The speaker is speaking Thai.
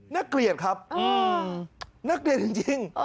น่าเกลียดครับน่าเกลียดจริง